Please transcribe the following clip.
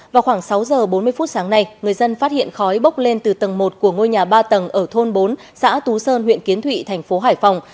vào khoảng sáu giờ bốn mươi phút sáng nay người dân phát hiện khói bốc lên từ tầng một của ngôi nhà ba tầng ở thôn bốn xã tú sơn huyện kiến thụy thành phố hải phòng